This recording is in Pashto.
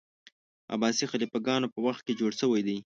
عباسي خلیفه ګانو په وخت کي جوړ سوی دی.